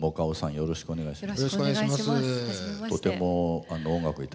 よろしくお願いします。